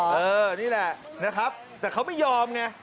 เออนี่แหละนะครับแต่เขาไม่ยอมไง